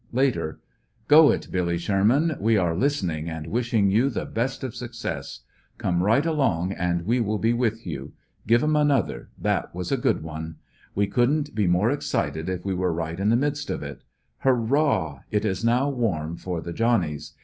Latek. — Go it Billy Sherman, we are listening and wishing you the best of success. Come right along and we will be with you. Give 'em another — that was a good one. We couldn't be more excited if we were right in the midst of it. Hur rah! It is now warm for the Johnnies.